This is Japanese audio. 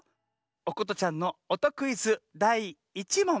おことちゃんのおとクイズだい１もん。